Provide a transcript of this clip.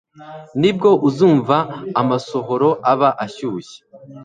Nibwo uzumva amasohoro aba ashyushye